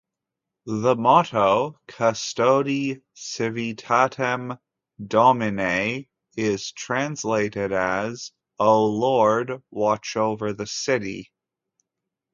The motto "Custodi Civitatem Domine", is translated as "O Lord, watch over the City".